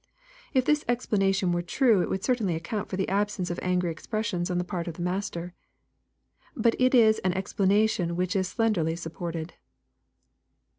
If this explanation were true it would certainly account for the absence of angry expressions on the part of the master. But it is an ex planation which is slenderly supported.